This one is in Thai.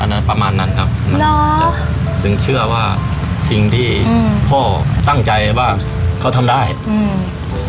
นั้นประมาณนั้นครับจึงเชื่อว่าสิ่งที่อืมพ่อตั้งใจว่าเขาทำได้อืม